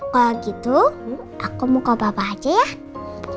kalau gitu aku mau ke papa aja ya